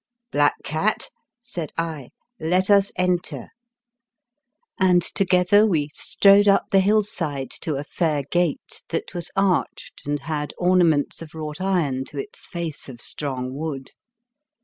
M Black cat," said I, " let us enter," and together we strode up the hillside to a fair gate, that was arched and had ornaments of wrought iron to its face of strong wood.